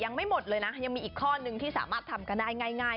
ยังไม่หมดเลยนะยังมีอีกข้อนึงที่สามารถทำกันได้ง่าย